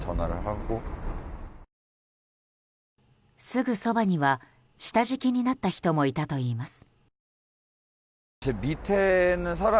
すぐそばには下敷きになった人もいたといいます。